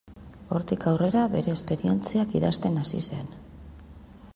Hortik aurrera, bere esperientziak idazten hasi zen.